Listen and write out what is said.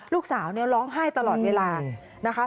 ลูกสาวเนี่ยร้องไห้ตลอดเวลานะคะ